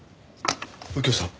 右京さん